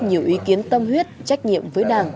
nhiều ý kiến tâm huyết trách nhiệm với đảng